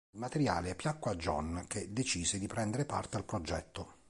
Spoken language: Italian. Il materiale piacque a Jon, che decise di prendere parte al progetto.